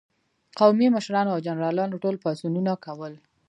قومي مشرانو او جنرالانو ټول پاڅونونه کول.